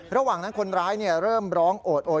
ระหว่างนั้นคนร้ายเริ่มร้องโอดโอย